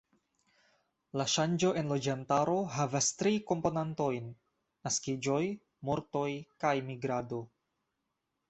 La ŝanĝo en loĝantaro havas tri komponantojn: naskiĝoj, mortoj kaj migrado.